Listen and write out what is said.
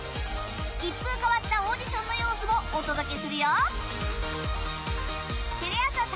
一風変わったオーディションの様子もお届けするよ